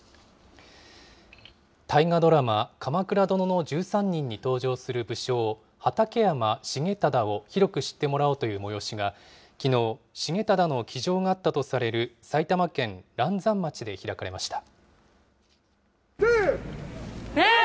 大河ドラマ、鎌倉殿の１３人に登場する武将、畠山重忠を広く知ってもらおうという催しが、きのう、重忠の居城があったとされる埼玉県嵐山町で開かれました。